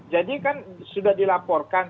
jadi kan sudah dilaporkan